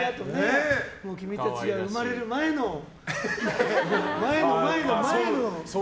君たちが生まれる前の前の前の。